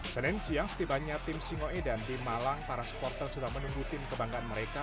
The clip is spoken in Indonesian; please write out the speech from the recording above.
senin siang setibanya tim singoedan di malang para supporter sudah menunggu tim kebanggaan mereka